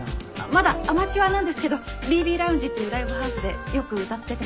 まだアマチュアなんですけどＢＢＬｏｕｎｇｅっていうライブハウスでよく歌ってて。